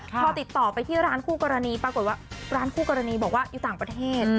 พอติดต่อไปที่ร้านคู่กรณีปรากฏว่าร้านคู่กรณีบอกว่าอยู่ต่างประเทศ